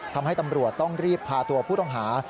ทำให้ตำรวจต้องรีบพาตัวผู้ต้องหา